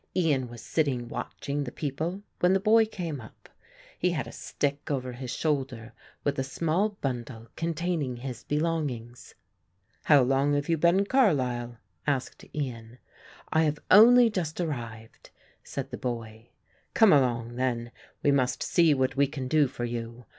Ian was sitting watching the people, when the boy came up. He had a stick over his shoulder with a small bundle containing his belongings. "How long have you been in Carlisle?" asked Ian. "I have only just arrived," said the boy. "Come along then; we must see what we can do for you.